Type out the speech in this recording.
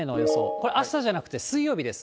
これ、あしたじゃなくて水曜日です。